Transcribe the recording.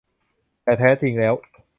แต่แท้จริงแล้ว